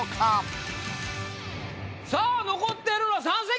さぁ残ってるのは３席。